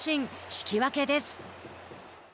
引き分けです。